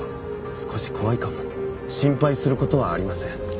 「少し怖いかも」「心配することはありません」